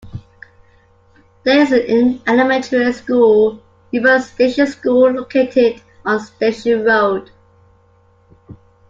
There is an elementary school, Hebron Station School, located on Station Road.